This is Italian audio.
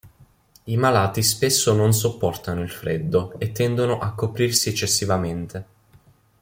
I malati spesso non sopportano il freddo e tendono a coprirsi eccessivamente.